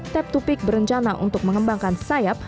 tap dua pick berencana untuk mengembangkan sayap